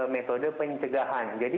metode pencegahan jadi